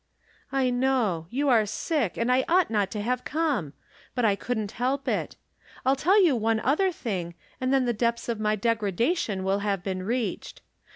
" I know ; you are sick, and 1 ought not to have come ; but I couldn't help it. I'll tell you one other thing, and then the depths of my deg radation will have been reached.